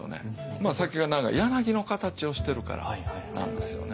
まあ先が長い柳の形をしてるからなんですよね。